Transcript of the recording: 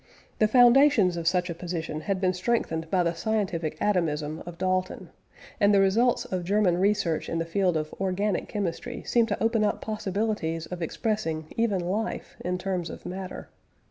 The foundations of such a position had been strengthened by the scientific atomism of Dalton, and the results of German research in the field of organic chemistry seemed to open up possibilities of expressing even life in terms of matter.